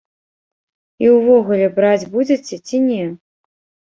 І увогуле, браць будзеце ці не?